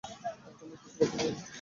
তোমায় কিছু বলতে হবে না।